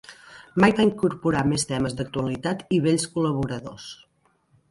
Mai va incorporar més temes d'actualitat i vells col·laboradors.